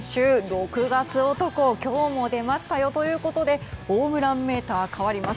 ６月男、今日も出ましたよ。ということでホームランメーター変わります。